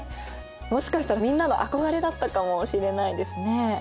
もしかしたらみんなの憧れだったかもしれないですね。